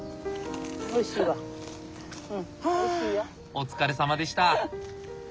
お疲れさまでした。